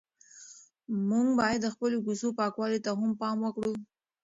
موږ باید د خپلو کوڅو پاکوالي ته هم پام وکړو.